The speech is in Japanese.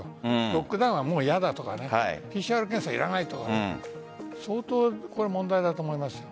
ロックダウンはもう嫌だとかＰＣＲ検査、やらないとか相当、問題だと思いますよ。